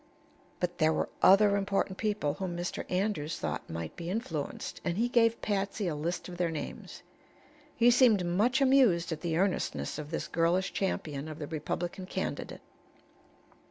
But there were other important people whom Mr. Andrews thought might be influenced, and he gave Patsy a list of their names. He seemed much amused at the earnestness of this girlish champion of the Republican candidate.